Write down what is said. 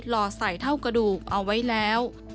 รอใส่เท่ากระดูกเอาไว้แล้ว